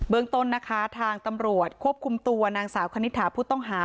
ต้นนะคะทางตำรวจควบคุมตัวนางสาวคณิตหาผู้ต้องหา